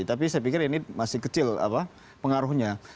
tapi saya pikir ini masih kecil pengaruhnya